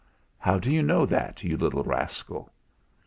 "How do you know that, you little rascal?"